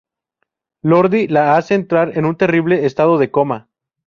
Lordi la hace entrar en un terrible estado de coma.